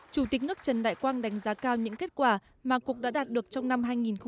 chủ tịch nước trần đại quang đánh giá cao những kết quả mà cục đã đạt được trong năm hai nghìn một mươi chín